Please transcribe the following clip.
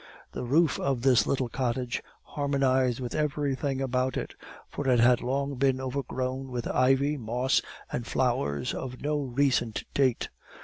The roof of this little cottage harmonized with everything about it; for it had long been overgrown with ivy, moss, and flowers of no recent date.